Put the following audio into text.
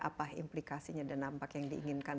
apa implikasinya dan nampak yang diinginkan